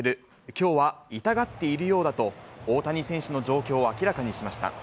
きょうは痛がっているようだと、大谷選手の状況を明らかにしました。